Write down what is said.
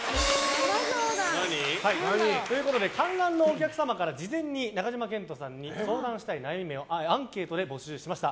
観覧のお客様から事前に中島健人さんに相談したい悩みをアンケートで募集しました。